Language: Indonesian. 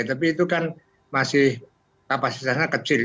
tapi itu kan masih kapasitasnya kecil